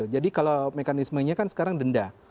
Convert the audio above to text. jadi kalau mekanismenya kan sekarang denda